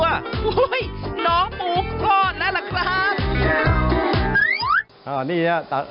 โอ้โหน้องหมูคลอดแล้วล่ะครับ